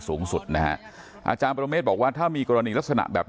สูงสุดนะฮะอาจารย์ปรเมฆบอกว่าถ้ามีกรณีลักษณะแบบ